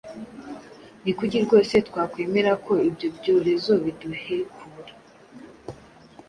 Ni kuki rwose twakwemera ko ibyo byorezo biduhekura